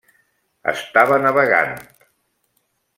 Estava navegant.